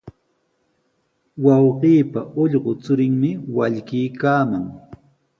Wawqiipa ullqu churinmi wallkiykaaman.